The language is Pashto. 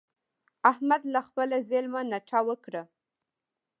احمد له خپله ظلمه نټه وکړه.